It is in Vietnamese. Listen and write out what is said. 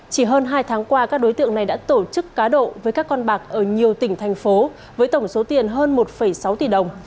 chỉ hơn hai tháng qua các đối tượng này đã tổ chức cá độ với các con bạc ở nhiều tỉnh thành phố với tổng số tiền hơn một sáu tỷ đồng